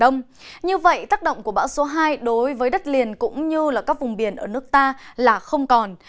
như vậy tác động của bão số hai đối với đất liền cũng như là các vùng biển ở nước ta là không còn